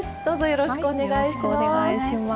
よろしくお願いします。